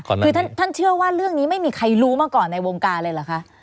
คือท่านเชื่อว่าเรื่องนี้ไม่มีใครรู้มาก่อนในวงการเลยเหรอคะ